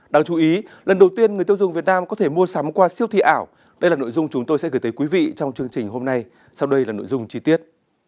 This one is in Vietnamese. đây là nội dung chúng tôi sẽ gửi tới quý vị trong chương trình hôm nay sau đây là nội dung chi tiết